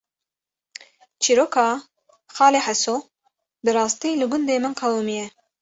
Çîroka “Xalê Heso” bi rastî li gundê min qewîmiye